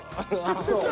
そう。